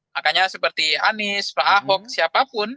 makanya seperti anies pak ahok siapapun